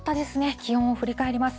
気温を振り返ります。